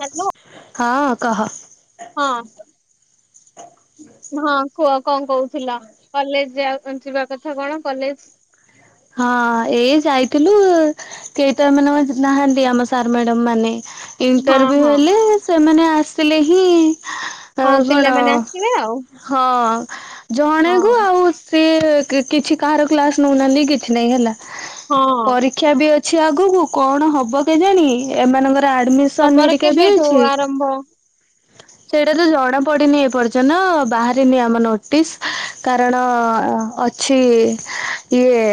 Hello ହଁ କହ? ହଁ। ହଁ କୁହ କଣ କହୁଥିଲ କଲେଜ ଯାଉ ଯିବା କଥା କଣ କଲେଜ୍ ହଁ ଏଇ ଯାଇଥିଲୁ କେଟ ମାନେ ନାହାନ୍ତି ଆମ ସାର ମ୍ୟାଡାମ ମାନେ। ହଁ ଇଣ୍ଟରଭ୍ୟୁ ହଁ ହେଲେ ସେମାନେ ଆସିଲେ ହିଁ ହଁ ଆଉ କଣ? ପିଲାମାନେ ଆସିବେ ଆଉ ହଁ ହଁ ଜଣେକୁୁ ଆଉ ସିଏ କି କିଛି କାହାର କ୍ଲାସ ନଉନାହାନ୍ତି କିଛି କିଛି ନାଇ ହେଲା ହଁ ପରୀକ୍ଷା ବି ଅ ଅଛି ଆଗକୁ କଣ ହବ କେ ଜାଣି ଏମାନଙ୍କର ଆଡମି ତମର କେବେଠୁ ଆରମ୍ଭ? ସେଇଟା ତ ଜଣା ପଡିନି ଏପର୍ଯ୍ୟନ୍ତ ବାହାରିନି ଆମ ନୋଟିସ କାରଣ ଅଛିଁ ଇଏ।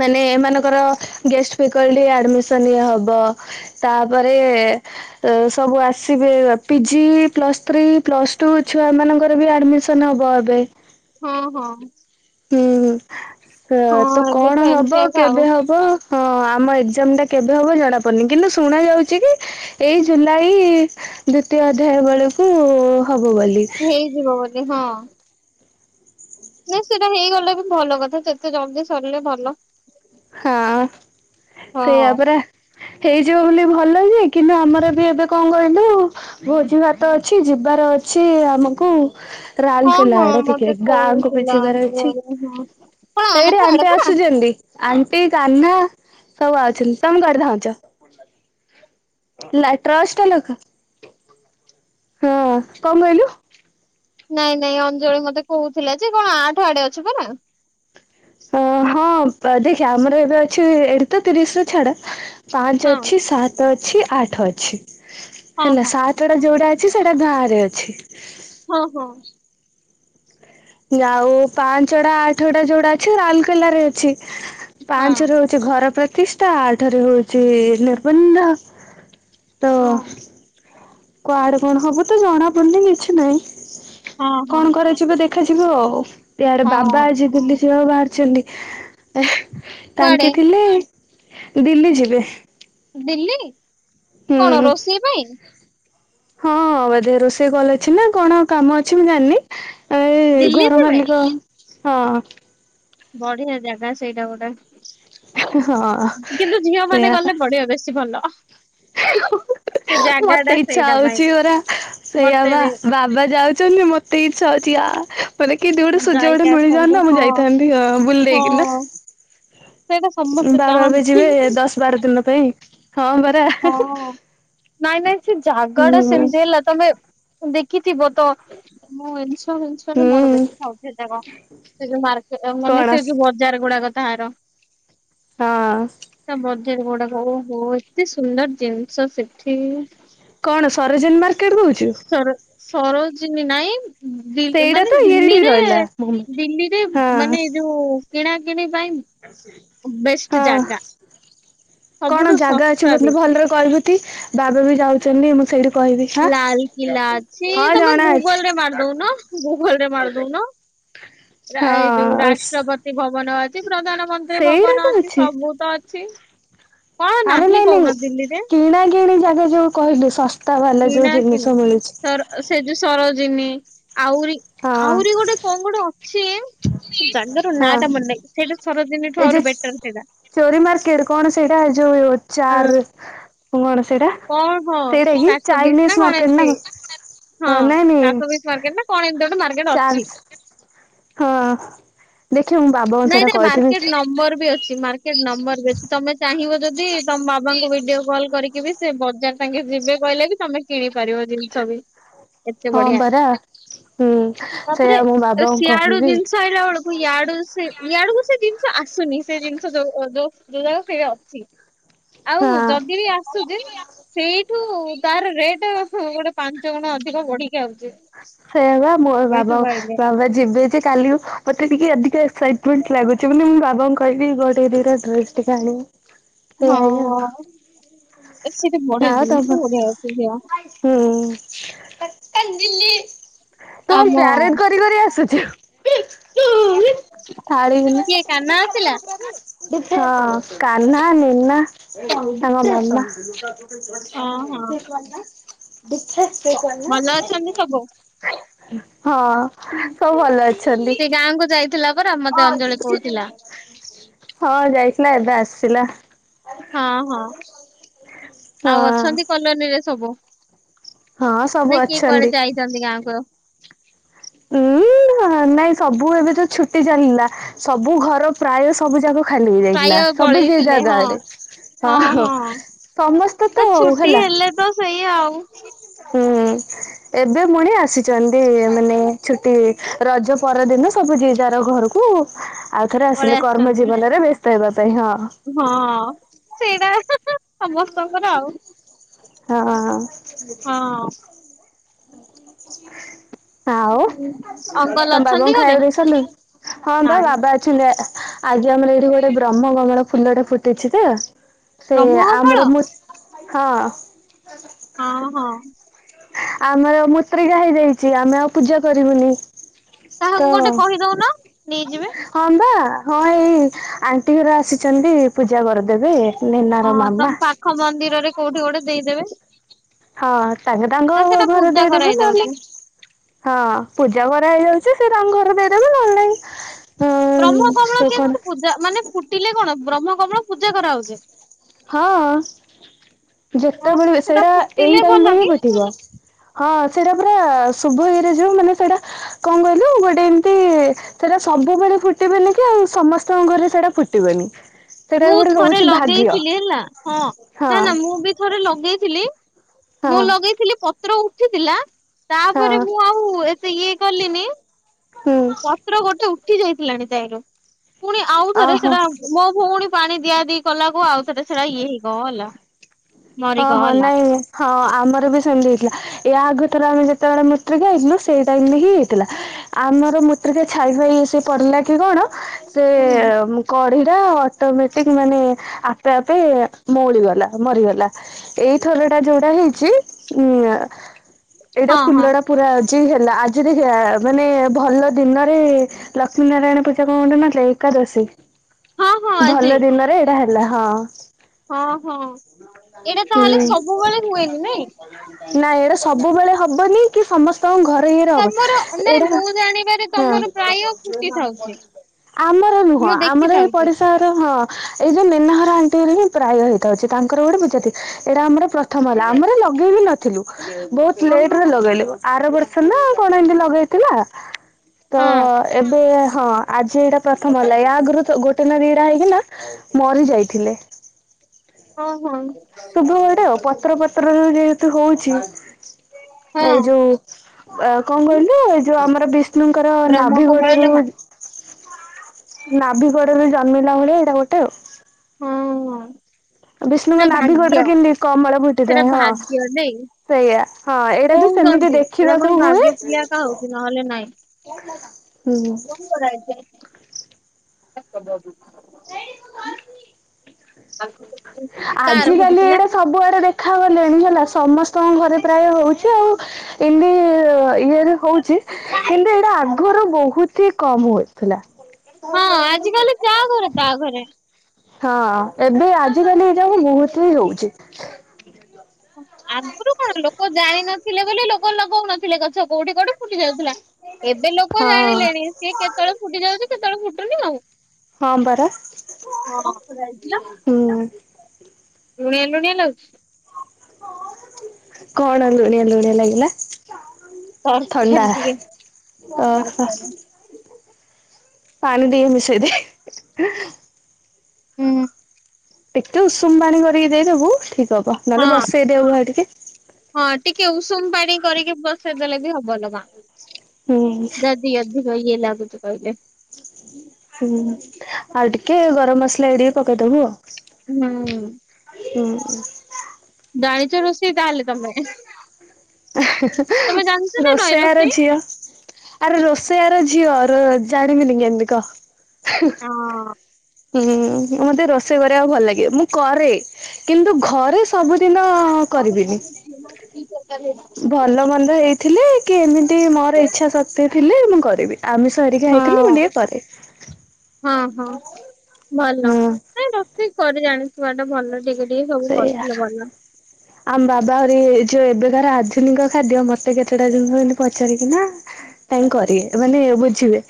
ମାନେ ଏମାନଙ୍କର ଗେଷ୍ଟ ଫିକର୍ଲି ଆଡମିସନ୍ ଇ ହବ। ତାପରେ ତ ସବୁ ଆସିବେ PG plus three plus two ଛୁଆ ମାନଙ୍କର ବି ଆଡମି ସେ ନବ ଏବେ। ହଁ ହଁ। ହୁଁ ହୁଁ ହଁ ତ ଏବେ କଣ ହବ ଏମିତି ଆକା ଆଉ କେବେ ହବ? ହଁ ଆମ ଏକ୍ଜାମ ଟା କେବେ ହବ ଜଣା ପଡନି କିନ୍ତୁ ଶୁଣା ଯାଉଛି କି ଏଇ ଜୁଲାଇ ଦ୍ଵିତୀୟ ଅଧ୍ୟାୟ ବେଳକୁ ହବ ବୋଲି। ଯିବ ବୋଲି ହଁ। ନା ସେଇଟା ହେଇଗଲେ ବି ଭଲ କଥା ଯେତେ ଜଲ୍ଦି ସରିଲେ ଭଲ। ହଁ ହଁ ସେଇଆ ପାରା। ହେଇଯିବ ବୋଲି ଭଲ ଯେ କିନ୍ତୁ ଆମର ବି ଏବେ କଣ କହିଲୁ ଭୋଜି ଭାତ ଅଛି ଯିବାର ଅଛି ଆମକୁ। ହଁ ରାଉଲକେଲା ହଁ ଆଡେ ମତେ ଟିକେ ଗାଁକୁ ବି କହୁଥିଲା ଯିବାର ଅଛି ଅଞ୍ଜଳି। ହଁ କଣ ହେଇଟି ଆଠ ଆଡେ ଆଣ୍ଟି ପରା ଆସୁଛନ୍ତି। ଆଣ୍ଟି କାହ୍ନା ସବୁ ଅଉଛନ୍ତି ତମେ କରିଥାଉଛ। ଟ୍ରଷ୍ଟ ଲଖ ହଁ କଣ କହିଲୁ? ନାଇଁ ନାଇଁ ଅଞ୍ଜଳି ମତେ କହୁଥିଲା ଯେ କଣ ଆଠ ଆଡେ ଅଛି ପରା? ଅ ହଁ ଦେଖ ଆମର ଏବେ ଅଛି ଏଠ ତ ତିରିଶ ର ଛାଡ ପାଞ୍ଚ ହଁ ଅଛି, ସାତ ଅଛି, ଆଠ ଅଛି, ହଁ ହେଲା ହଁ ସାତ ଟା ଯୋଉଟା ଅଛି ସେଇଟା ଗାଁ ରେ ଅଛି ହଁ ହଁ ଆଉ ପାଞ୍ଚଟା ଆଠଟା ଯୋଉଟା ଅଛି ରାଉଲକେଲା ରେ ଅଛି ହଁ ପାଞ୍ଚ ର ଘର ପ୍ରତିଷ୍ଠା ଆଠରେ ହଉଛି ନିର୍ବନ୍ଧ ତ ହଁ କୁଆଡେ କଣ ହବ ତ ଜଣା ପଡୁନି କିଛି ନାଇଁ ହଁ ହଁ କଣ କରାଯି ଯେବେ ଦେଖାଯିବ ଆଉ ଇଆଡ଼େ ହଁ ବାବା ଆଜି ଦିଲ୍ଲୀ ଯିବାକୁ ବାହାରିଛନ୍ତି। ଏହେଁ କୁଆଡେ ତାଙ୍କେ ଥିଲେ ଦିଲ୍ଲୀ ଯିବେ। ଦିଲ୍ଲୀ କଣ ହୁଁ ରୋଷେଇ ପାଇଁ? ହଁ ବୋଧେ ରୋଷେଇ କଲ ଅଛି ନା କଣ କାମ ଅଛି ମୁଁ ଜାଣିନି ଏଇ ଦିଲ୍ଲୀ ଘର ଯିବେ? ମାଲିକ ହଁ ବଢିଆ ଜାଗା ସେଇଟା ପରା। ହଁ ହଁ କିନ୍ତୁ ଝିଅ ମାନେ ସେଇଆ ପା ଗଲେ ପଢିବ ବେଶୀ ଭଲ। ସେ ଜାଗା ଟା ମତେ ଇଚ୍ଛା ସେଇଟା ପାଇଁ ହେଉଛି ପରା ସେଇଆ ମତେ ବା ବି ବାବା ଯାଉଛନ୍ତି ମ ଟି ଇଚ୍ଛା ହଉଛି ଆ ମାନେ କି ଦି ଗୋଟେ ସୁଯୋଗ ଯାଇକି ଗୋଟେ ଆସନ୍ତୁ। ମିଳିଯାଆନ୍ତା ମୁଁ ହଁ ଯାଇଥାନ୍ତି ବୁଲି ହଁ ଦେଇକିନା ସେଇଟା ସମସ୍ତେ ବାବା ଏବେ ଚାହାନ୍ତି। ଯିବେ ଦଶ ବାର ଦିନ ପାଇଁ ହଁ ପରା। ହଁ ନାଇଁ ନାଇଁ ସେ ଜାଗାଡା ହୁଁ ସେମିତି ହେଲା ତମେ ଦେଖିଥିବ ତ ମୁଁ ଇନଷ୍ଟା ଫିଷ୍ଟା ହୁଁ ମୋର ବେଶୀ ଥାଉଛି ସେଜାକ। ସେ ଯୋଉ ମାର୍କେଟ ମାନେ କଣ ସେ ଯୋଉ ବଜାର ଗୁଡାକ ତାହାର। ହଁ। ତା ବଜାର ଗୁଡ଼ାକ ଓହୋ ଏତେ ସୁନ୍ଦର ଜିନିଷ ସେଠି। କଣ ସରୋଜିନ ମାର୍କେଟ କହୁଛୁ? ସର ସରୋଜିନୀ ନାଇଁ ନ ଦିଲ୍ଲୀ ସେଇଟା ମାନେ ତ ଇଏଠି ଦିଲ୍ଲୀରେ ରହିଲା ହଁ ଦିଲ୍ଲୀରେ ମାନେ ଏ ଯୋଉ କିଣାକିଣି ପାଇଁ ବେଷ୍ଟ ହଁ। ଜାଗା। କଣ ସବୁଠୁ ଜାଗା ଅଛି ଶସ୍ତା ବି ମତେ ଭଲରେ କହିବୁ ତି ବାବା ବି ଯାଉଛନ୍ତି ମୁଁ ସେଇଠି କହିବି ହାଁ। ଲାଲକିଲ୍ଲା ଅଛି ହଁ ତମେ ଜଣା ଅଛି ଗୁଗଲ ରେ ମାରି ଦଉନ ଗୁଗଲ ରେ ମାରି ଦଉନ। ଏଇ ଯୋଉ ହଁ ରାଷ୍ଟ୍ରପ ତି ଭବନ ଅଛି ପ୍ରଧାନମନ୍ତ୍ରୀ ସେଇଟା ଭବନ ତ ଅଛି ସବୁ ତ ଅଛି। କଣ ଆରେ ନାହିଁ ନାଇଁ ନାଇଁ କହୁନ ଦିଲ୍ଲୀରେ? କିଣା କିିଣି ଜାଗା ଯୋଉ କହିଲୁ ଶସ୍ତା ବାଲା କିଣା ଯୋଉ କିଣି ଜିନିଷ ମିଳୁଛି ସର ସେ ଯୋ ସରୋଜିନୀ ଆଉରି ହଁ। ଆହୁରି ଗୋଟେ କଣ ଗୋଟେ ଅଛି ସେ ଜାଗାର ହଁ ନାଁ ଟା ମନେ ନାହିଁ ସେଇଟା ସରୋଜିନୀଠୁ ଏଇ ଯୋଉ ଆହୁରି ବେଟର୍ ସେଇଟା। ଚୋରି ମାର୍କେଟ୍ କଣ ସେଇଟା ଏଯୋ ଅ, ଚାର କଣ ସେଇଟା କଣ ହଁ ସେଇଟା କି ଚାରିଶହବିଶ୍ ଚାଇନିଜ ନା କଣ ମାର୍କେଟ ଏମିତି? ହଁ କଣ ନାଇଁ ନାଇଁ ଚାର୍ଶୋବିଶ୍ ମାର୍କେଟ ନା କଣ ଏମିତି ଗୋଟେ ମାର୍କେଟ ଚାର୍ଜ ଅଛି। ହଁ ଦେଖିବା ମୁଁ ବାବାଙ୍କୁ ନାଇଁ ସେଟା ନାଇଁ କହିଥିବି। ମାର୍କେଟ ନମ୍ବର ବି ଅଛି ମାର୍କେଟ ନମ୍ବର ବି ଅଛି ତମେ ଚାହିଁବ ଯଦି ତମ ବାବାଙ୍କୁ ଭିଡିଓ କଲ୍ କରିକି ବି ସେ ବଜାର ତାଙ୍କେ ଯିବେ କହିଲେ କି ତମେ କିଣି ପାରିବ ଜିନିଷ ବି। ଏତେ ହଁ ବଢିଆ ପରା। ହୁଁ ତାପରେ ସେଇଆ ମୁଁ ବାବାଙ୍କୁ ସିଆଡୁ କହିବି ଜିନିଷ ଆଇଲା ବେଳକୁ କୁ ଇୟାଡୁ ସେ ଇଆଡକୁ ସେ ଜିନିଷ ଆସୁନି ସେ ଜିନିଷ ଯୋଉ ଯା ସେ ଅଛି। ଆଉ ହଁ। ଯଦି ବି ଆସୁଜି ସେଇଠୁ ତାର ରେଟ ଗୋଟେ ପାଞ୍ଚ ଗୁଣ ଅଧିକ ବଢିକି ଆଉଛି। ସେୟା ବା ମୋ ଏଇଠୁ ବାବା ପାଇଲେ। ବାବା ଯିବେ ଯେ କାଲି ମତେ ଟିକେ ଅଧିକ ସାଇଟ୍ କୁଇଣ୍ଟ ଲାଗୁଛି ବୋଲି ମୁଁ ବାବାଙ୍କୁ କହିବି ଗୋଟେ ଦିଟା ଡ୍ରେସ ଟେ ଆଣିବ। ହଁ ସେଠି ବଢିଆ ଆଉ ଜିନିଷ ତମ ବଢିଆ ଅଛି ଆ। ହୁଁ ତୁ ଆମ ପ୍ୟାରେଡ୍‌ କରି କରି ଆସୁଛୁ। ଥାା [inaudible] ଳି କିଏ ହଁ କାହ୍ନା ଆସିଲା? କାହ୍ନା ନିନ୍ନା ତାଙ୍କ ନନ୍ନା। ଚେକ୍ ହଁ କରୁନ ହଁ ଦେଖେ ଚେକ୍ ଭଲ ଅଛନ୍ତି କରୁନ। ସବୁ ହଁ ସବୁ ଭଲ ଅଛି। ସେ ଗାଁକୁ ଯାଇଥିଲା ପରା ମତେ ଅଞ୍ଜଳି କହୁଥିଲା। ହଁ ଯାଇଥିଲା ଏବେ ଆସିଲା। ହଁ ହଁ ହଁ ଆଉ ଅଛନ୍ତି କଲୋନୀରେ ସବୁ? ହଁ ସବୁ ନାଇଁ କିଏ କୁଆଡେ ଅଛନ୍ତି। ଯାଇଛନ୍ତି ଗାଁକୁ। ଉଁ ନାଇଁ ସବୁ ଏବେ ତ ଛୁଟି ଚାଲିଲା ସବୁ ଘର ପ୍ରାୟ ସବୁ ଜାଗ ଖାଲି ପ୍ରାୟ ହେଇଯାଇଥିଲା ସବୁ ଯି ପଳେଇଥିଲେ ହଁ। ଜାଗାରେ ହଁ ହ ସମସ୍ତେ ତା ତ ଆଉ ଛୁଟି ହେଲା। ହେଲେ ତ ସେଇ ଆଉ ହୁଁ ଏବେ ପୁଣି ଆସିଛନ୍ତି ମାନେ ଛୁଟି ରଜ ପରଦିନ ସବୁ ଯିଏ ଜାର ଘରକୁ ଆଉ ଥରେ ପଳେଇ ଆସିଲେ କର୍ମ ଆସିଛନ୍ତି। ଜୀବନରେ ବ୍ୟସ୍ତ ହେବା ପାଇଁ ହଁ। ହଁ ସେଇଟା ସମସ୍ତଙ୍କର ଆଉ। ହଁ। ହଁ। ଆଉ ତମ ଅଙ୍କଲ ବାବାଙ୍କୁ ଅଛନ୍ତି ଘରେ ଖାଇୟାକୁ ଦେଇଶାରିଲଣି? ନାଇଁ ଚୁଲି ଆଜି ଆମର ଏଇଠି ଗୋଟେ ବ୍ରହ୍ମ କମଳ ଫୁଲଟେ ଫୁଟିଛି ତ। ସେ ପ୍ରମହମ୍। [unintelligible] ଆମର ମୁସ୍ ହଁ। ହଁ ହଁ। ଆମର ମୁତ୍ରିକା ହେଇଯାଇଛି ଆମେ ଆଉ ପୂଜା କରିବୁନି। କାହାକୁ ତ ଗୋଟେ କହିଦଉନ। ନେଇଯିବେ ହଁ ବା ହଁ ଏଇ ଆଣ୍ଟି ଘର ଆସିଛନ୍ତି ପୂଜା କରିଦେବେ। ନିନାର ହଁ ମାମା। ତମ ପାଖ ମନ୍ଦିରରେ କୋଉଠି ଗୋଟେ ଦେଇଦେବେ। ହଁ ତାଙ୍କେ ତାଙ୍କ ନା ସେଟା ଘରେ ପୂଜା ଦେଇଦେବ କରାହେଇ ନହେଲେ ଯାଉଛି। ହଁ ପୂଜା କରା ହେଇଯାଉଛି ସେ ତାଙ୍କ ଘର ଦେଇଦେବେ ନହେଲେ ନାଇଁ ହଁ ବ୍ରହ୍ମ କମଳ ସେ କଣ କେମତି ପୂଜା ମାନେ ଫୁଟିଲେ କଣ ବ୍ରହ୍ମ କମଳ ପୂଜା କରାହଉଛି? ହଁ ହଁ ଯେତେବେଳେ ବି ସେଟା ସେଇଟା ଫୁଟିଲେ ଏଇ ଟାଇମରେ ଭଲ ହିଁ କି ଫୁଟିବ। ହଁ ସେଇଟା ପୁରା ଶୁଭ ଇଏରେ ଯୋଉ ମାନେ ସେଇଟା କଣ କହିଲୁ ଗୋଟେ ଏମିତି ସେଟା ସବୁବେଳେ ଫୁଟିବେନି କି ଆଉ ସମସ୍ତଙ୍କ ଘରେ ସେଟା ଫୁଟିବେନି। ସେଟା ମୁଁ ଗୋଟେ ଥରେ ରହୁଛି ଭାଗ୍ୟ। ଲଗେଇଥିଲି ହେଲା ହଁ ନା ହଁ ନା ମୁଁ ବି ଥରେ ଲଗେଇଥିଲି ହଁ ମୁଁ ଲଗେଇଥିଲି ପ ତ୍ର ଉଠିଥିଲା ହଁ ତାପରେ ମୁଁ ଆଉ ଏତେ ଇଏ କଲିନି ହୁଁ ପତ୍ର ଗୋଟେ ଉଠି ଯାଇଥିଲାଣି ତାଇରୁ ପୁଣି ଆଉ ଥରେ ଓହୋ। ସେଟା ମୋ ଭଉଣୀ ପାଣି ଦିଆଦି କଲାକୁ ଆଉ ଥର ସେଇଟା ଇଏ ହେଇଗଲା। ହଁ ହଁ ମରିଗଲା ନାଇଁ ହଁ ଆମର ବି ସେମିତି ହେଇଥିଲା। ଏୟା ଆଗ ଥର ଆମେ ଯେତେବେଳେ ମୁତ୍ରିକା ହେଇଥିଲୁ ସେଇଟା ବୋଲିକି ହିଁ ହେଇଥିଲା। ଆମର ମୂତ୍ରିକା ଛାଇ ଫାଇ ସେ ପଡ଼ିଲା କି କଣ ସେ ହୁଁ କଢି ଟା ଅଟୋମେଟିକ ମାନେ ଆପେ ଆପେ ମଉଳିଗଲା ମରିଗଲା। ଏଇ ଥର ଟା ଯୋଉଟା ହେଇଛି ଉଁ ଏଇଟା ହଁ ହଁ ଫୁଲ ଟା ପୁରା ଆଜି ହେଲା ଆଜିରେ ହିଁ ମାନେ ଭଲ ଦିନରେ ଲକ୍ଷ୍ମୀ ନାରାୟଣ ପୂଜା କଣ ଗୋଟେ ନଥିଲେ ଏକାଦଶୀ। ହଁ ହଁ ଆଜି ଭଲ ଦିନରେ ଏଇଟା ହେଲା ହଁ। ହଁ ହଁ। ଏଇଟା ହୁଁ ତାହେଲେ ସବୁବେଳେ ହୁଏନି ନାଇଁ ନାଇଁ ଏଇଟା ସବୁବେଳେ ହବନି କି ସମସ୍ତଙ୍କ ଘରେ ଇଏରେ ହବନି ତମର ନାଇଁ ଏଇଟା ମୁଁ ଜାଣିବାରେ ତମର ପ୍ରାୟ ଫୁଟି ଥାଉଛି ହଁ। ଆମର ନୁହଁ ମୁଁ ଆମର ଏଇ ଦେଖିଥାଉଛି ପଡିଶା ହଁ ଏଇ ଯୋଉ ନିନ୍ନା ଘର ଆଣ୍ଟି ହିଁ ପ୍ରାୟ ହେଇଥାଉଛି ତାଙ୍କର ଗୋଟେ ପୂଜା ଏଇଟା ଆମର ପ୍ରଥମ ହେଲା ଆମର ଲଗେଇବି ନଥିଲୁ ବହୁତ ଓହୋ ଲେଟରେ ଲଗେଇଲୁ ଆର ବର୍ଷ ନା କଣ ଏମତି ଲଗେଇଥିଲା ତ ହଁ ଏବେ ହଁ ଆଜି ଏଇଟା ପ୍ରଥମ ହେଲା ୟା ଆଗରୁ ଗୋଟେ ନା ଦିଟା ହେଇଥିଲା ମରି ଯାଇଥିଲେ ହଁ ହଁ ଶୁଭୁ ଗୋଟେ ଆଉ ପତ୍ର ପତ୍ରରୁ ଯେହେତୁ ହଉଛି ଏଇ ହଁ ଯୋଉ ଅ କଣ କହିଲେ ଯୋଉ ଆମର ବିଷ୍ଣୁଙ୍କର ବ୍ରହ୍ମ ନାଭି କମଳ ଗୋଡରୁ ଲୋ ମା ନାଭିିକଡ ବି ଜନ୍ମିଲା ଭଳିଆ ଏଇଟା ଗୋଟେ ହଁ ହଁ ବିଷ୍ଣୁଙ୍କ ନାଭିି ଗୋଡରେେ କେମିତି କମ୍ ମଳ ପୁଟି ସେଟା ଥାଏ ହଁ ଭାଗ୍ୟ ନାଇଁ ସେଇଆ ହଁ ଏଇଟା ବି ସେମିତି କହୁଛନ୍ତି ଏଟା ପୁଣି ଦେଖିବାକୁ ଭାଗ୍ୟ ହୁଏ ଥିଲେ ଏକା ହଉଛି ନହେଲେ ନାଇଁ। ହୁଁ [unintelligible] [unintelligible] ଆଜି କାର କାଲି ଫୁଟିଥିଲା ଏଇଟା ସବୁଆଡେ ଦେଖ ଖା ଗଲେଣି ହେଲା ସମସ୍ତଙ୍କ ଘରେ ପ୍ରାୟ ହଉଛି ଆଉ ଏମତି ଇଏ ହଉଛି କିନ୍ତୁ ଏଇଟା ଆଗରୁ ବହୁତ ହି କମ ହଉଥିଲା ହଁ ଆଜି କାଲି ଯାହା ଘରେ ତା ଘରେ ହଁ ଏବେ ଆଜିକାଲି ଏଇ ଯା ବହୁତବି ହଉଛି ଆଗରୁ କଣ ଲୋକ ଜାଣିିନଥିଲେ ବୋଲି ଲୋକ ଲଗଉନଥିଲେ ଥିଲେ ଗଛ କୋଉଠି କୋଉଠି ଫୁଟି ଯାଉଥିଲା ଏବେ ଲୋକ ଜାଣିଲେଣି ସିଏ ହଁ। କେତେବେଳେ ଫୁଟି ଯାଉଛି କେତେବେଳେ ଫୁଟୁନି ଆଉ ହଁ ପରା। ହଁ [unintelligible] ଥିଲା ହୁଁ ଲୁଣିଆ ଲୁଣିଆ ଲାଗୁଛି କଣ ଲୁଣିଆ ଲୁଣିଆ ଲାଗିଲା? ଥଣ୍ଡା ତରକାରୀ ଟିକେ ଓହୋ ତରକାରୀ ପାଣି ଟିକେ ମିଶେଇଦେ ହୁଁ। ଟିକେ ଉଷୁମ ପାଣି କରିକି ଦେଇଦବୁ ଠିକ ହବ ହଁ ନହେଲେ ବସେଇଦବୁ ବା ଟିକେ ହଁ ଟିକେ ଉଷୁମ ପାଣି କରିକି ବସେଇଦେଲେ ବି ହବ ଲ ମା ହୁଁ [unintelligible] ଲାଗୁଛି କହିଲେ ହୁଁ ଆଉ ଟିକେ ଗରମ ମସଲା ଏଇ ଟିକେ ପକେଇଦବୁ ଆଉ ହୁଁ ହୁଁ ହଁ ଜାଣିଚ ରୋଷେଇ ତାହଲେ ତମେ ହୁଁ ହୁଁ ତମେ ଜାଣିଛ ହୁଁ ନା ନଈ ରୋଷୟାର ରୋଷେଇ? ଝିଅ ଆରେ ରୋଷେୟାର ଝିଅ ର ଜାଣିବିନି କେ କେମିତି କହ ହ ହଁ ହୁଁ ମୋତେ ରୋଷେଇ କରିବାକୁ ଭଲ ଲାଗେ ମୁଁ କରେ କିନ୍ତୁ ଘରେ ସବୁଦିନ ହଁ କରିବିନି ଭଲ ମନ୍ଦ ହେଇଥିଲେ କି ଏମିତି ତି ମୋର ଇଛା ଶକ୍ତି ଥିଲେ ମୁଁ କରିବି ଆମିଶ ହେରିକା ହେଇଥିଲ ମୁଁ ଟିକେ କରେ ହଁ ହଁ ଭଲ ହଁ ନାଇ ରୋଷେଇ କରି ଜାଣି ଥିବାଟା ଭଲ ଠିକ ଅଛି ସେଇଆ ଆମ ବାବା ଆହୁରି ଯୋଉ ଏବେକାର ଆଧୁନିକ ଖାଦ୍ୟ ମୋତେ କେତେଟା ଜିନିଷ ଏତି ପଚାରିକି ନା କାଇ କରିବେ ମାନେ ବୁଝିବେ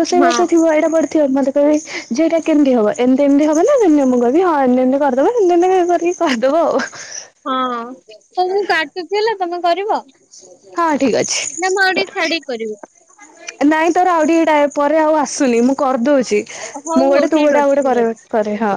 ରୋଷେଇ ହଁ ବାସ ଥିବ ଏଇଟା ପଢ ମୋତେ କହିବେ ଝିଅ ଏଇଟା କେମତି ହବ ଏମତି ଏମତି ହବ ନା କେମିତି ହବ କହୀବି ହଁ ଏମତି ଏମିତି କରିଦବ ସେମତି କରିକି କହିଦବ ଆଉ ହଁ ହଉ ମୁଁ କାଟୁଛି ହେଲା ତମେ କରିବ ହଁ ଠିକ ଅଛି ନା ମ ଆ ଟିକେ କରୁଛି। ଛାଡିକି କରିବ ନାଇଁ ତୋର ଆଉ ଟିକେଟା ପରେ ଆଉ ଆସୁନି ମୁଁ କରିଦଉଛି ହଉ ମୁଁ ହଉ ଗୋଟେ ତୁ ଠିକ ଗୋଟେ ଆଉ ଅଛି ଗୋଟେ ଠିକ ଅଛି। କରରେ କରେ ହଁ।